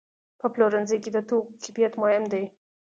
په پلورنځي کې د توکو کیفیت مهم دی.